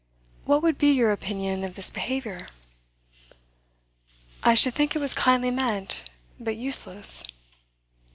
What would be your opinion of this behaviour?' 'I should think it was kindly meant, but useless.